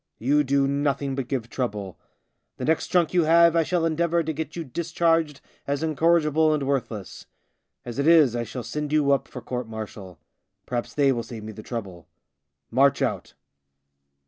You do nothing but give trouble. The next drunk you have I shall endeavour to get you discharged as incorrigible and worthless. As it is, I shall send you up for court martial. Perhaps they will save me the trouble. March out."